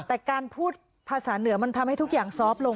แต่การพูดภาษาเหนือมันทำให้ทุกอย่างซอฟต์ลง